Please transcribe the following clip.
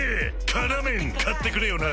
「辛麺」買ってくれよな！